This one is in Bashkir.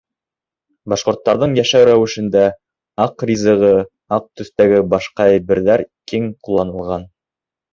Башҡорттарҙың йәшәү рәүешендә аҡ ризығы, аҡ төҫтәге башҡа әйберҙәр киң ҡулланылған.